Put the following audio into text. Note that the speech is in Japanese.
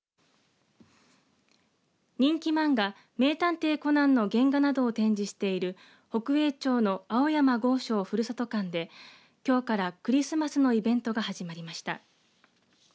人気漫画名探偵コナンの原画などを展示している北栄町の青山剛昌ふるさと館できょうからクリスマスのイベントが始まりました。